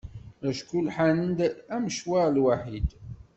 Acku lḥan-d amecwar lwaḥid.